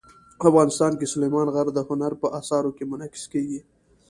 افغانستان کې سلیمان غر د هنر په اثارو کې منعکس کېږي.